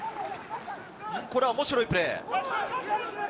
これは面白いプレー。